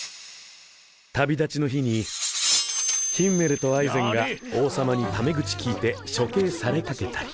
旅立ちの日にヒンメルとアイゼンが王様にタメ口利いて処刑されかけたり。